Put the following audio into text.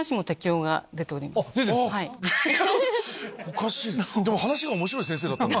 おかしいな。